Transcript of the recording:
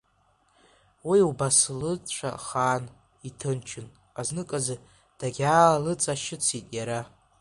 Уи убас лыцәа хаан, иҭынчын, азныказы дагьаалыҵашьыцит иара…